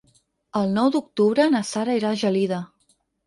El nou d'octubre na Sara irà a Gelida.